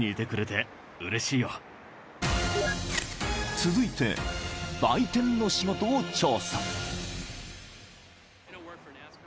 ［続いて売店の仕事を調査］